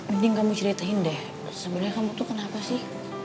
mending kamu ceritain deh sebenarnya kamu tuh kenapa sih